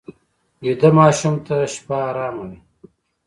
ویده ماشوم ته شپه ارامه وي